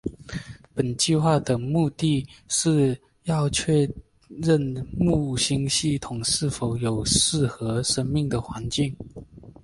本计画的目的是要确认木星系统是否有适合生命的环境。